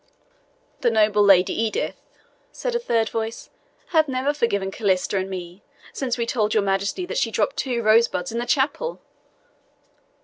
"The noble Lady Edith," said a third voice, "hath never forgiven Calista and me, since we told your Majesty that she dropped two rosebuds in the chapel."